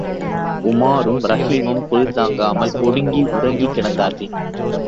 உமாரும், ரஹீமும், குளிர்தாங்காமல், ஒடுங்கி உறங்கிக் கிடந்தார்கள்.